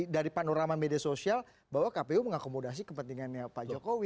dari panorama media sosial bahwa kpu mengakomodasi kepentingannya pak jokowi